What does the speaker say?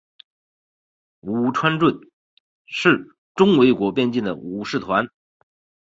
武川众是甲斐国边境的武士团。